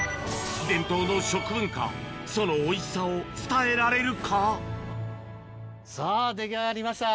伝統の食文化、そのおいしさを伝さあ、出来上がりました。